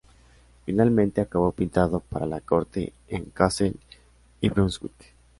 Finalmente, acabó pintando para la Corte en Kassel y Brunswick.